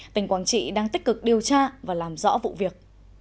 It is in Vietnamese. tỉnh quảng trị đang tích cực điều tra và làm rõ vụ việc